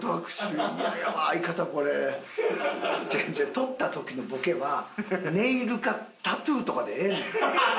取った時のボケはネイルかタトゥーとかでええねん。